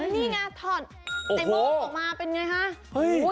นี่ไงถอดในมองออกมาเป็นยังไงฮะ